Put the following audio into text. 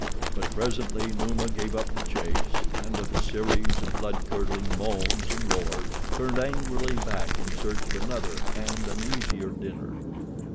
But presently Numa gave up the chase and, with a series of blood curdling moans and roars, turned angrily back in search of another and an easier dinner.